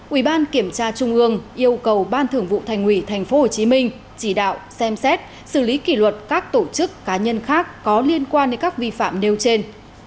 ubnd tp hcm yêu cầu ban thường vụ thành ủy tp hcm chỉ đạo xem xét xử lý kỷ luật các tổ chức cá nhân khác có liên quan đến các vi phạm nêu trên